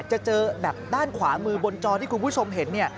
จะเจอแบบด้านขวามือบนจอที่คุณผู้ชมเห็นเนี่ย